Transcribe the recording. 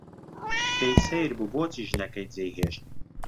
پێی سەیر بوو بۆچی ژنەکەی جێی هێشت.